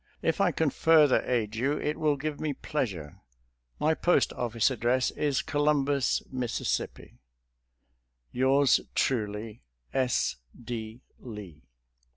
If I can further aid you it will give me pleasure. My post oflce address is Columbus, Miss. "Yours truly, " S. D. Lee."